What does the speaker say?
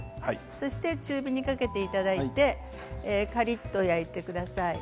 中火にかけていただいてカリっと焼いてください。